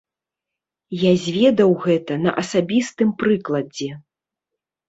Я зведаў гэта на асабістым прыкладзе.